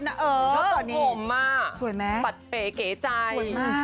กล้องห่มมากปัดเป๋เก๋ใจ